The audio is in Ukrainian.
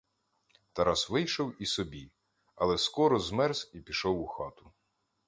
Тарас вийшов і собі, але скоро змерз і пішов у хату.